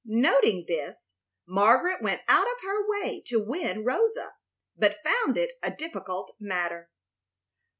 Noting this, Margaret went out of her way to win Rosa, but found it a difficult matter.